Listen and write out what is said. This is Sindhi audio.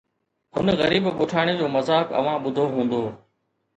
هن غريب ڳوٺاڻي جو مذاق اوهان ٻڌو هوندو